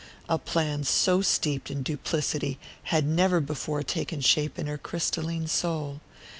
A plan so steeped in duplicity had never before taken shape in her crystalline soul.